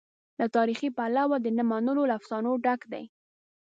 له تاریخي پلوه د نه منلو له افسانو ډک دی.